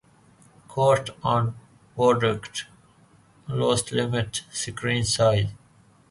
Cost and budget also limit screen size.